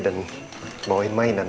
dan mau main mainan